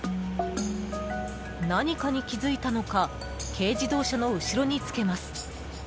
何かに気づいたのか軽自動車の後ろにつけます。